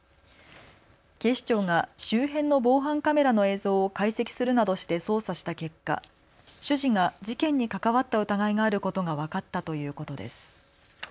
警視庁が周辺の防犯カメラの映像を解析するなどして捜査した結果、主事が事件に関わった疑いがあることが分かったということです。